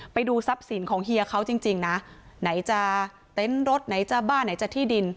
ไปดูทรัพย์สินของเฮียเขาจริงนะไหนจะเต็นต์รถไหนจะบ้านไหนจะที่ดิน